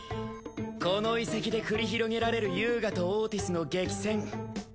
このイセキで繰り広げられる遊我とオーティスの激戦。